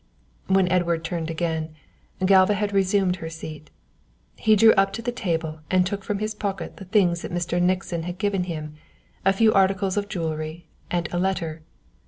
When Edward turned again, Galva had resumed her seat. He drew up to the table and took from his pocket the things that Mr. Nixon had given him, a few articles of jewellery, and a letter.